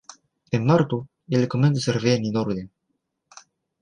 En marto ili komencas reveni norden.